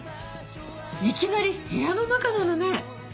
いきなり部屋の中なのね。